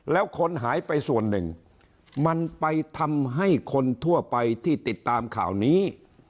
แล้วคนหายไปส่วนหนึ่งมันไปทำให้คนทั่วไปที่ติดตามข่าวนี้